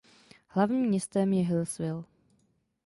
Hlavním městem je Hillsville.